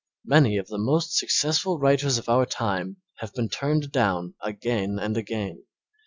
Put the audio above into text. Many of the most successful writers of our time have been turned down again and again.